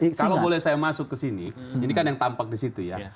kalau boleh saya masuk ke sini ini kan yang tampak di situ ya